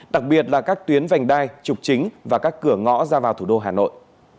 đặc biệt là các tuyến vành đai trục chính và các cửa ngõ ra vào thủ đô hà nội